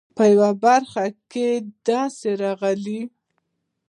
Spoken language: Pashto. په یوه برخه کې یې داسې راغلي.